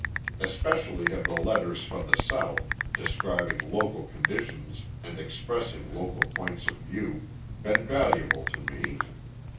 Especially have the letters from the South, describing local conditions and expressing local points of view, been valuable to me.